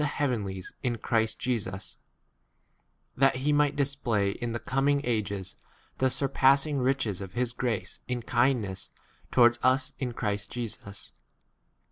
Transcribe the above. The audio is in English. heavenlies in Christ Jesus, that he might display in the coming ages the surpassing riches of his grace in kindness k towards us in 8 Christ Jesus.